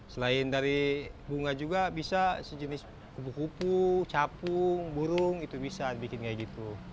selain dari bunga juga bisa sejenis kupu kupu capung burung itu bisa dibikin kayak gitu